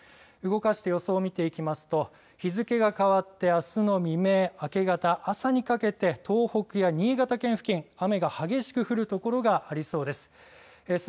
動かして予想を見ていきますと日付が変わってあすの未明明け方、朝にかけて東北や新潟県付近雨が激しく降る所がありそうです。